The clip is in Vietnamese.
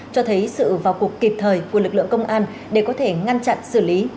cho thấy sự vào cuộc kịp thời của lực lượng công an để có thể ngăn chặn xử lý